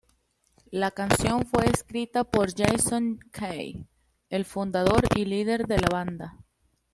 La canción fue escrita por Jason Kay, el fundador y líder de la banda.